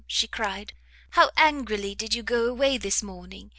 she cried, "how angrily did you go away this morning!